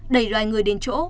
đẩy loài người đến chỗ